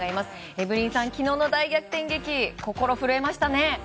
エブリンさん、昨日の大逆転劇心が震えましたね。